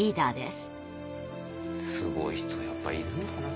すごい人やっぱいるんだな。